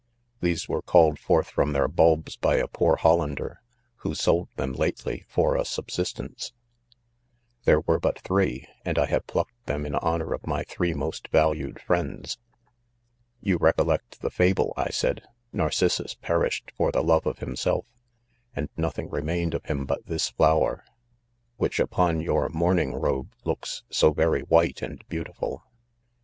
These were called forth from their bulbs by a poor Hollander, who sold them lately, for a subsistence ; there were but three, and I have' plucked them in honor of my three most valued friends. 55 You rec ollect the fable, I said, Narcissus perished for the love of himself, and nothing remained of him but this flower ; which, upon your mour ning robe looks so very white, and beautiful.